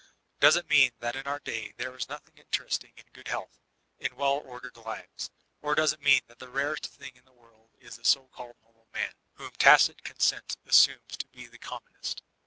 Does it mean that in our day there b nothing interesting in good health, in well ordered lives? Or does it mean that the rarest thing in all the world is the so<aIled normal man, whom tacit consent assumes to be the com monest?